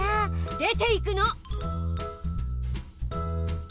出ていくの！